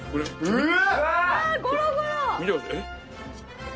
うわ。